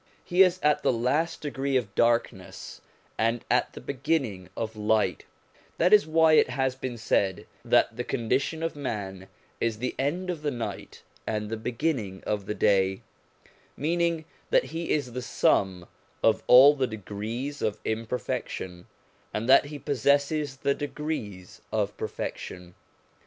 He is at the last degree of darkness, and at the begin ning of light; that is why it has been said that the condition of man is the end of the night and the beginning of day, meaning that he is the sum of all the degrees of imperfection, and that he possesses the degrees of perfection.